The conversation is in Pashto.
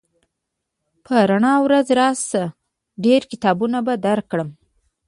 په رڼا ورځ راشه ډېر کتابونه به درکړم